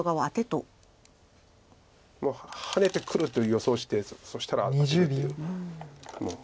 ハネてくると予想してそしたらアテるという。